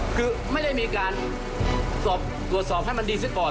คือไม่ได้มีการตรวจสอบให้มันดีซะก่อน